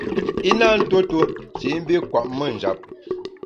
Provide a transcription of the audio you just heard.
I na ntuo tuo shi i mbi kwet me njap.